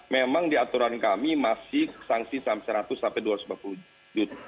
memang di aturan kami masih saksi seratus dua ratus lima puluh ribu